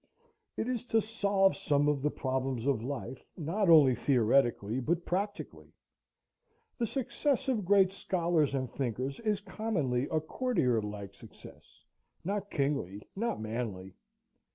It is to solve some of the problems of life, not only theoretically, but practically. The success of great scholars and thinkers is commonly a courtier like success, not kingly, not manly.